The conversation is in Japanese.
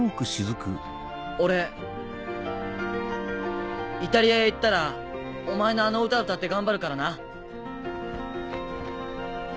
俺イタリアへ行ったらお前のあの歌歌って頑張るからな。